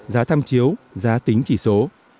giá tham chiếu giá tính chỉ số